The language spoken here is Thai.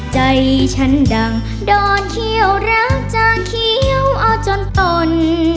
ใจฉันดังโดนเขี้ยวรักจางเขียวเอาจนตน